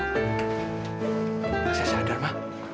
masya allah darma